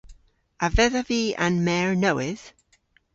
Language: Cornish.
A vedhav vy an mer nowydh?